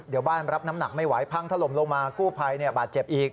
เดี๋ยวบ้านรับน้ำหนักไม่ไหวพังถล่มลงมากู้ภัยบาดเจ็บอีก